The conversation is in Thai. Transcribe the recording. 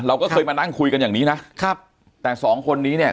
เราก็เคยมานั่งคุยกันอย่างนี้นะครับแต่สองคนนี้เนี่ย